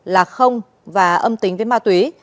là không và âm tính với ma túy